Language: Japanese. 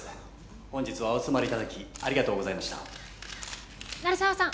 本日はお集まりいただきありがとうございました鳴沢さん